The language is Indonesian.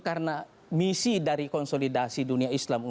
karena misi dari konsolidasi dunia islam umumnya